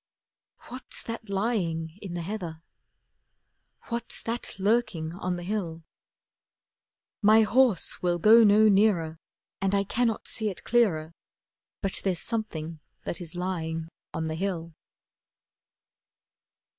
What's that lying in the heather? What's that lurking on the hill? My horse will go no nearer, And I cannot see it clearer, But there's something that is lying on the hill.